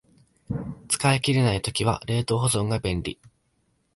使い切れない時は冷凍保存が便利